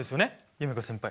夢叶先輩。